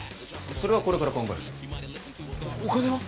それはこれから考えるお金は？